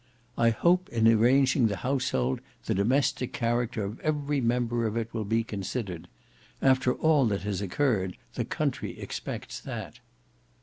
I hope in arranging the household the domestic character of every member of it will be considered. After all that has occurred the country expects that."